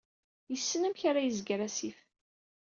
Yessen amek ara yezger asif.